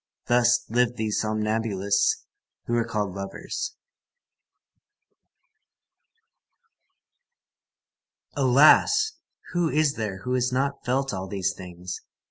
Thus lived these somnambulists who are called lovers. Alas! Who is there who has not felt all these things?